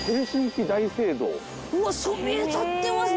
うわそびえ立ってますね。